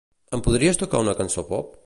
Em podries tocar una cançó pop?